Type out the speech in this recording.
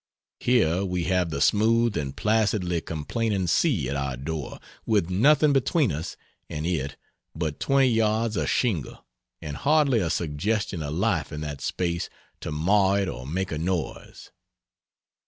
Here we have the smooth and placidly complaining sea at our door, with nothing between us and it but 20 yards of shingle and hardly a suggestion of life in that space to mar it or make a noise.